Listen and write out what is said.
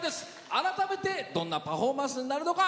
改めてどんなパフォーマンスになるのか。